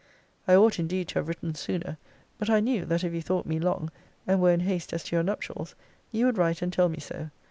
I ought indeed to have written sooner. But I knew, that if you thought me long, and were in haste as to your nuptials, you would write and tell me so.